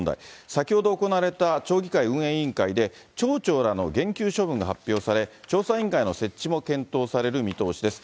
先ほど行われた町議会運営委員会で、町長らの減給処分が発表され、調査委員会の設置も検討される見通しです。